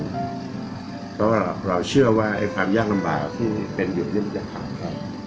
เพราะว่าเราเชื่อว่าไอ้ความยากลำบากที่เป็นอยู่นี่มันจะผ่านไป